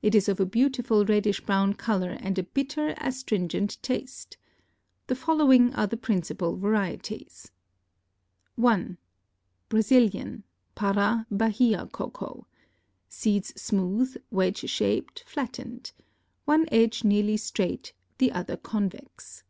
It is of a beautiful reddish brown color and a bitter astringent taste. The following are the principal varieties: 1. Brazilian (Para, Bahia) Cocoa.—Seeds smooth, wedge shaped, flattened. One edge nearly straight, the other convex.